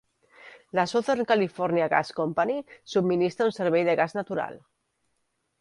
La Southern California Gas Company subministra un servei de gas natural.